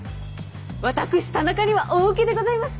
私田中には大ウケでございます。